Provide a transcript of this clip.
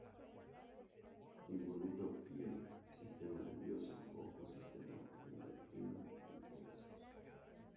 Involucra piel, sistema nervioso, ojos, sistema endocrino, y huesos.